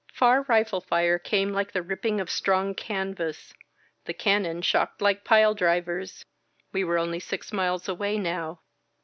Far rifle fire came like the ripping of strong canvas, the cannon shocked like pile drivers. We were only six miles away now.